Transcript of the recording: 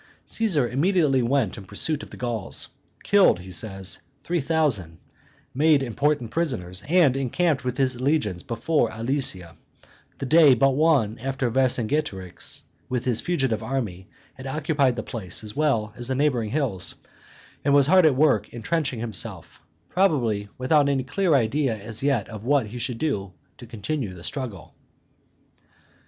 Caesar immediately went in pursuit of the Gauls; killed, he says, three thousand, made important prisoners, and encamped with his legions before Alesia the day but one after Vercingetorix, with his fugitive army, had occupied the place as well as the neighboring hills, and was hard at work intrenching himself, probably without any clear idea as yet of what he should do to continue the struggle.